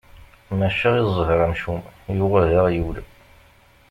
Maca i ẓẓher amcum, yuɣal d aɣyul.